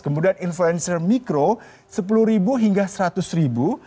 kemudian influencer mikro sepuluh ribu hingga seratus ribu